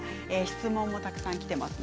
質問がたくさんきています。